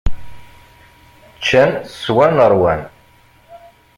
Ččan, swan, ṛwan.